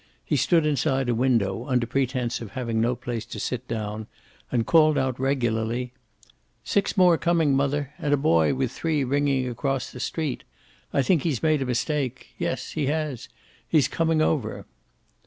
He stood inside a window, under pretense of having no place to sit down, and called out regularly, "Six more coming, mother! And a boy with three ringing across the street. I think he's made a mistake. Yes, he has. He's coming over!"